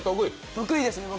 得意ですね、僕。